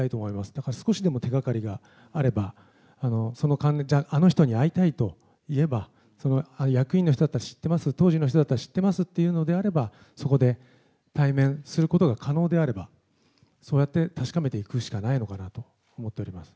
だから少しでも手がかりがあれば、あの人に会いたいと言えば、役員の人だったら知ってます、当時の人だったら知ってますというのであれば、そこで対面することが可能であれば、そうやって確かめていくしかないのかなと思っております。